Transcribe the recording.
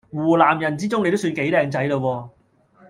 湖南人之中你都算幾靚仔喇喎